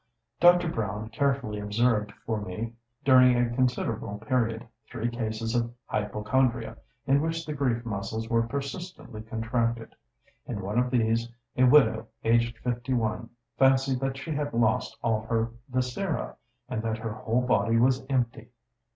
Dr. Browne carefully observed for me during a considerable period three cases of hypochondria, in which the grief muscles were persistently contracted. In one of these, a widow, aged 51, fancied that she had lost all her viscera, and that her whole body was empty.